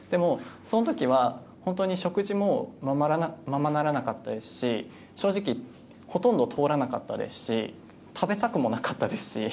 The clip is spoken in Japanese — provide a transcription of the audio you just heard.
その時は本当に食事もままならなかったですし正直、ほとんど通らなかったですし食べたくもなかったですし。